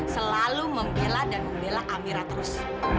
selalu membela dan membela amira terus